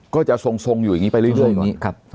ก็จะทรงทรงอยู่อย่างงี้ไปเรื่อยนะครับ